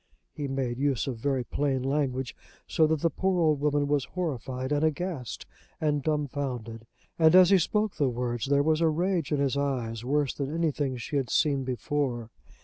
He made use of very plain language, so that the poor old woman was horrified and aghast and dumbfounded. And as he spoke the words there was a rage in his eyes worse than anything she had seen before.